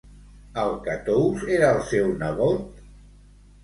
Alcatous era el seu nebot?